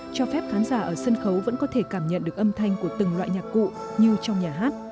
cho phép khán giả ở sân khấu vẫn có thể cảm nhận được âm thanh của từng loại nhạc cụ như trong nhà hát